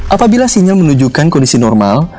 apabila sinyal menunjukkan kondisi normal